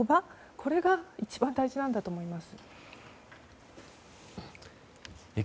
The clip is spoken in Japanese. これが一番大事なんだと思います。